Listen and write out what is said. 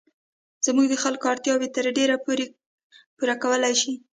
زموږ د خلکو اړتیاوې تر ډېره پوره کولای شي.